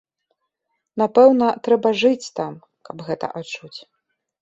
Напэўна, трэба жыць там, каб гэта адчуць.